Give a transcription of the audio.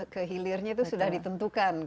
ke hilirnya itu sudah ditentukan